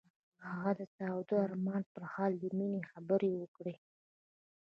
هغه د تاوده آرمان پر مهال د مینې خبرې وکړې.